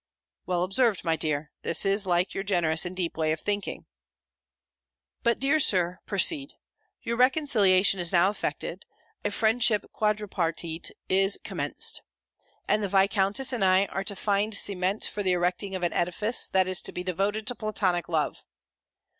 "Well observed, my dear: this is like your generous and deep way of thinking." "But, dear Sir, proceed Your reconciliation is now effected; a friendship quadripartite is commenced. And the Viscountess and I are to find cement for the erecting of an edifice, that is to be devoted to Platonic love.